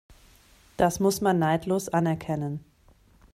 Das muss man neidlos anerkennen.